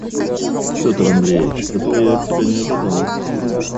Петр Андреич! Этого я от тебя не ожидала.